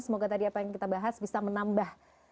semoga tadi apa yang kita bahas bisa menambah